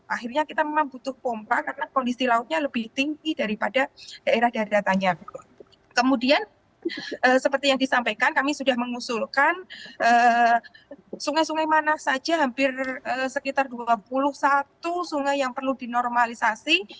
akhirnya kita memang butuh pompa karena kondisi lautnya lebih tinggi daripada daerah daratannya kemudian seperti yang disampaikan kami sudah mengusulkan sungai sungai mana saja hampir sekitar dua puluh satu sungai yang perlu dinormalisasi